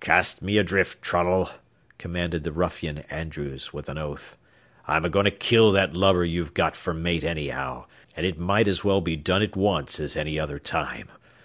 "Cast me adrift, Trunnell," commanded the ruffian Andrews, with an oath. "I'm a going to kill that lubber you've got for mate anyhow, and it might as well be done at once as any other time.